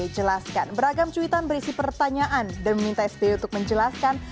jelaskan beragam cuitan berisi pertanyaan dan meminta sby untuk menjelaskan